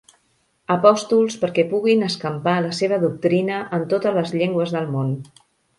Apòstols perquè puguin escampar la seva doctrina en totes les llengües del món.